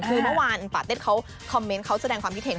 คือเมื่อวานปาเต็ดเขาคอมเมนต์เขาแสดงความคิดเห็น